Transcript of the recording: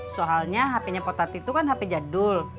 soalnya hapenya potati itu kan hape jadul